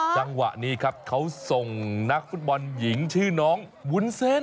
จังหวะนี้ครับเขาส่งนักฟุตบอลหญิงชื่อน้องวุ้นเส้น